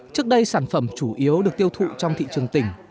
trước đây sản phẩm chủ yếu được tiêu thụ trong thị trường tỉnh